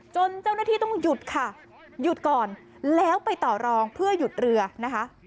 จนเจ้าหน้าที่ต้องหยุดค่ะหยุดก่อนแล้วไปต่อรองเพื่อหยุดเรือนะคะ